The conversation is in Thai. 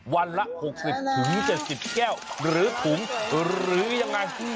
วันละ๖๐๗๐แก้วหรือถุงหรือยังไง